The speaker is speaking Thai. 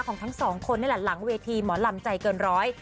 ของทั้งสองคนนี่แหละหลังเวทีหมอลำใจเกินร้อย